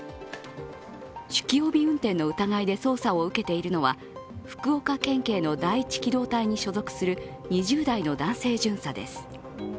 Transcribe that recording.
酒気帯び運転の疑いで捜査を受けているのは福岡県警の第一機動隊に所属する２０代の男性巡査です。